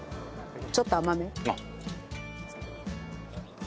ちょっと甘め。